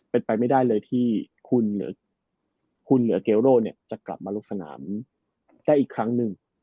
เป็นไปไม่ได้เลยที่คุณเหลือเกโร่จะกลับมาลงสนามได้อีกครั้งหนึ่ง